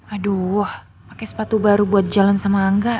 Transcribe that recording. aduh pake sepatu baru buat jalan sama angga